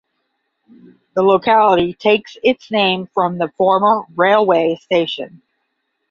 The locality takes its name from the former railway station.